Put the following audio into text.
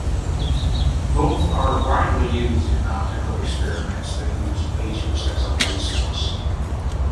Both are widely used in optical experiments that use lasers as a light source.